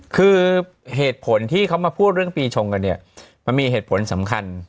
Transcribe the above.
คือเหตุผลที่เขามาพูดเรื่องปีชงกันเนี่ยมันมีเหตุผลสำคัญ